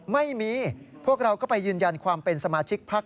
ไม่มีพวกเราก็ไปยืนยันความเป็นสมาชิกพัก